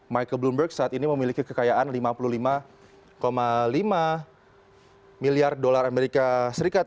michael bloomberg saat ini memiliki kekayaan lima puluh lima lima miliar dolar amerika serikat